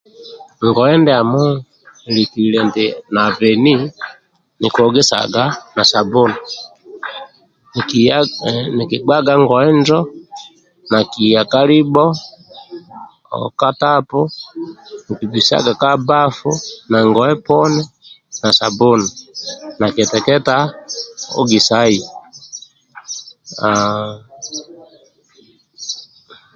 Ngoye ndiamo akilikaga na bheni eki hogisaga na sabuni eki ghaga ngoye njo ni hisa ka libho kendha ka tapu ni bhisa kabafu egoye poni na sabuni niki teketa ogisai